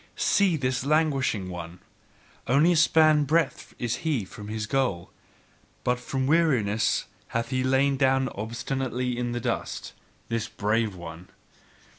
See this languishing one! Only a span breadth is he from his goal; but from weariness hath he lain down obstinately in the dust, this brave one!